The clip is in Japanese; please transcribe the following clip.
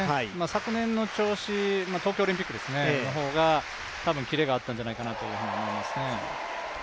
昨年の調子、東京オリンピックの方が多分キレがあったんじゃないかなと思いますね。